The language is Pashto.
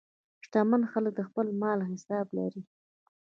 شتمن خلک د خپل مال حساب لري.